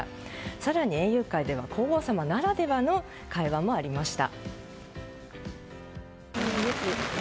更に、園遊会では皇后さまならではの会話もありました。